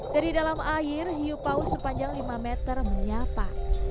dari dalam air hiu paus sepanjang lima meter menyapa